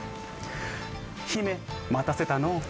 姫、待たせたの。